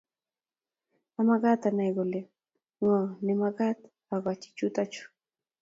Amakat anai kole ngo nemakat akachi chuto chu